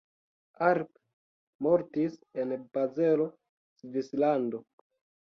Arp mortis en Bazelo, Svislando.